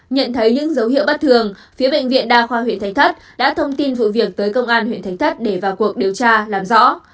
nhận thấy những dấu hiệu bất thường phía bệnh viện đa khoa huyện thánh thất đã thông tin vụ việc tới công an huyện thạch thất để vào cuộc điều tra làm rõ